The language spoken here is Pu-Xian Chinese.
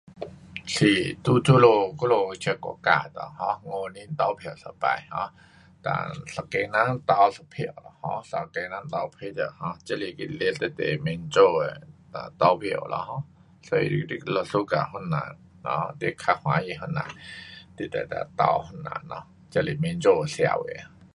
是，在这里我们这国家内 um 五年投票一次 [um]dan 一个人投一票 um 一个人投一票。这是一个非常民主的啊投票啦。um 所以若 suka 谁人，你较喜欢谁人，你就能够投谁人咯，这是民主的社会。